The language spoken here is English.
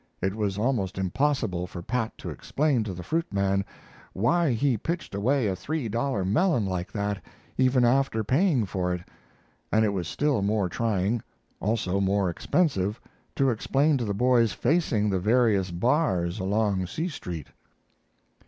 It was almost impossible for Pat to explain to the fruit man why he pitched away a three dollar melon like that even after paying for it, and it was still more trying, also more expensive, to explain to the boys facing the various bars along C Street.